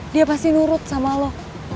dia pasti nurut sama lo